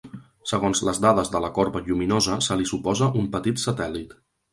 Segons les dades de la corba lluminosa, se li suposa un petit satèl·lit.